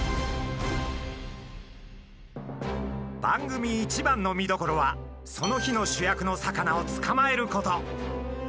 番組一番の見どころはその日の主役の魚を捕まえること。